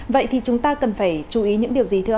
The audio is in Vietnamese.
vậy thì chúng ta cần phải chú ý những điều gì thưa ông